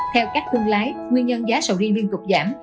theo các thương lái nguyên nhân giá sầu riêng liên tục giảm